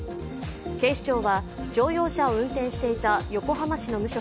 警視庁は乗用車を運転していた横浜市の無職、